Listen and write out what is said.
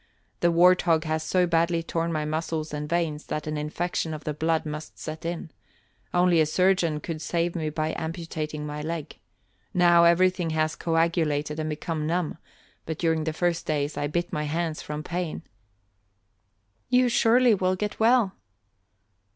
The wart hog has so badly torn my muscles and veins that an infection of the blood must set in. Only a surgeon could save me by amputating my leg. Now everything has coagulated and become numb, but during the first days I bit my hands from pain " "You surely will get well."